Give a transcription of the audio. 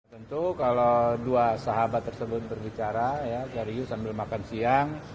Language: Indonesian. tentu kalau dua sahabat tersebut berbicara serius sambil makan siang